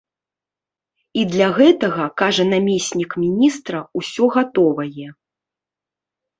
І для гэтага, кажа намеснік міністра, усё гатовае.